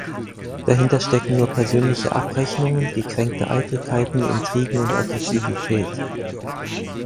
Dahinter stecken nur persönliche Abrechnungen, gekränkte Eitelkeiten, Intrigen und Aggressivität.